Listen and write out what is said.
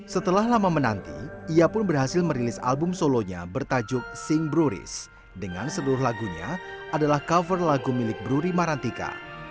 setelah lama menanti ia pun berhasil merilis album solonya bertajuk sing bruries dengan seluruh lagunya adalah cover lagu milik bruri marantika